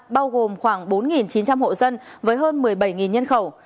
bao gồm khoảng bốn chín trăm linh hộ dân với hơn một mươi bảy nhân khẩu